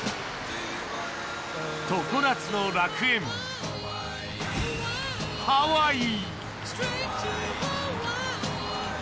常夏の楽園、ハワイ！